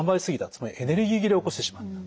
つまりエネルギー切れを起こしてしまった。